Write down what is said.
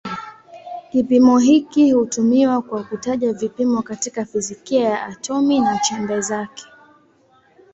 Kipimo hiki hutumiwa kwa kutaja vipimo katika fizikia ya atomi na chembe zake.